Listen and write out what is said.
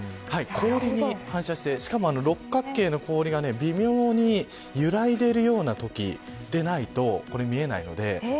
氷に反射してしかも六角形の氷が微妙に揺らいでいるようなときでないと見えないので。